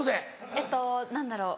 えっと何だろう